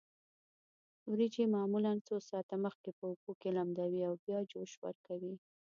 وریجې معمولا څو ساعته مخکې په اوبو کې لمدوي او بیا یې جوش ورکوي.